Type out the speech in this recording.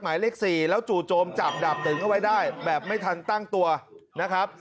หมายเลข๔แล้วจู่โจมจับดาบตึงเอาไว้ได้แบบไม่ทันตั้งตัวนะครับ